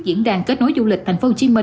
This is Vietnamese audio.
diễn đàn kết nối du lịch tp hcm